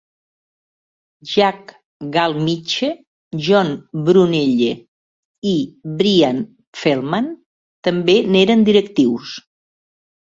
Jack Galmiche, John Brunelle i Brian Feldman també n'eren directius.